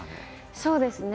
そうですね。